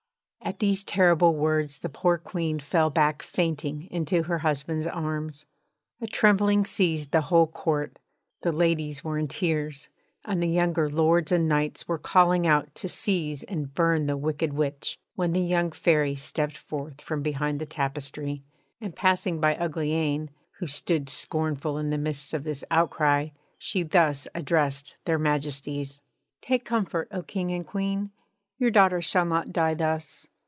At these terrible words the poor Queen fell back fainting into her husband's arms. A trembling seized the whole Court; the ladies were in tears, and the younger lords and knights were calling out to seize and burn the wicked witch, when the young Fairy stepped forth from behind the tapestry, and passing by Uglyane, who stood scornful in the midst of this outcry, she thus addressed their Majesties: 'Take comfort, O King and Queen: your daughter shall not die thus.